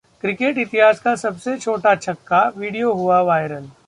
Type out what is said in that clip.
cricket इतिहास का सबसे छोटा छक्का, वीडियो हुआ वायरल